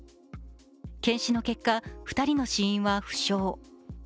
検視の結果、２人の死因は不詳。